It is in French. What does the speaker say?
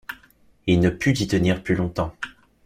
Il ne put y tenir plus longtemps.